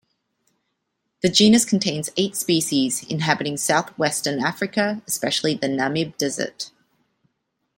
The genus contains eight species, inhabiting southwestern Africa, especially the Namib Desert.